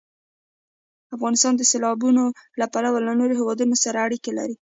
افغانستان د سیلابونو له پلوه له نورو هېوادونو سره اړیکې لري.